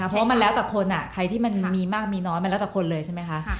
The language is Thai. เพราะมันแล้วแต่คนใครที่มันมีมากมีน้อยมันแล้วแต่คนเลยใช่ไหมคะ